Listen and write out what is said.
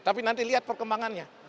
tapi nanti lihat perkembangannya